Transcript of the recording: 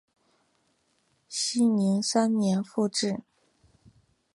熙宁三年复置。